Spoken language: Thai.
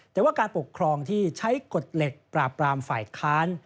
แต่ว่าการปกครองที่ใช้กฎเหล็กปราบปรามฝ่ายค้าน